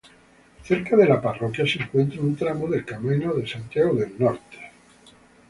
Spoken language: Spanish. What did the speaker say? Cerca de la parroquia se encuentra un tramo del Camino de Santiago del Norte